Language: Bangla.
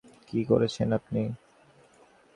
কী করেছি আপনার আমি?